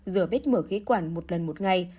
rửa vết mở khí quản một lần một ngày